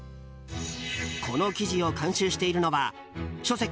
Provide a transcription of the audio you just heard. この記事を監修しているのは書籍